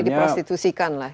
jadi diprostitusikan lah